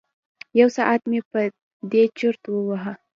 یو ساعت مې په دې چرت وهه.